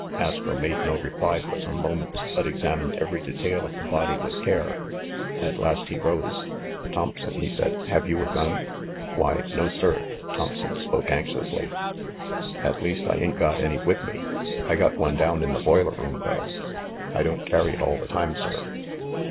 Astro made no reply for some moments, but exam ined every detail of the body with care. At last he rose. "Thompson," he said, "have you a gun?" "Why, no sir!" Thompson spoke anxiously. "At least, I ain't got any with me. I got one down in the boiler room, though. I don't carry it all the time, sir."